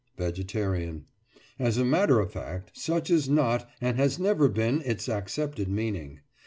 VEGETARIAN: As a matter of fact, such is not, and has never been, its accepted meaning.